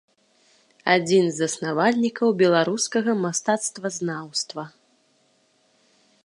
Адзін з заснавальнікаў беларускага мастацтвазнаўства.